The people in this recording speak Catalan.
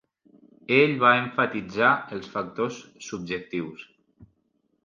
Ell va emfatitzar els factors subjectius.